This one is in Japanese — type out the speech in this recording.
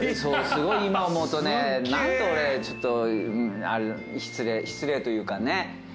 すごい今思うと何と俺失礼というかね。